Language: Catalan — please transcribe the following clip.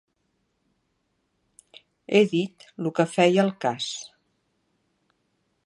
He dit lo que feia el cas.